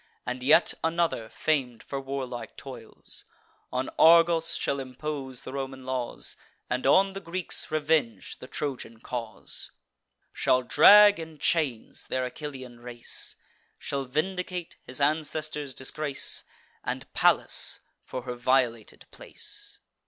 And yet another, fam'd for warlike toils, On Argos shall impose the Roman laws, And on the Greeks revenge the Trojan cause; Shall drag in chains their Achillean race; Shall vindicate his ancestors' disgrace, And Pallas, for her violated place.